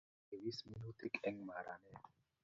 Ipis minutik eng maranet